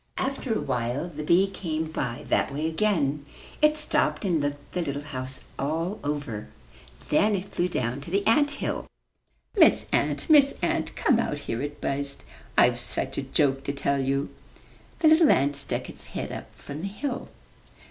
After a while the bee came by that way again. It stopped and looked the little house all over. Then it flew down to the ant hill. "Miss Ant, Miss Ant, come out here, "it buzzed. "I've such ajoke to tell you." The little ant stuck its head up from the hill.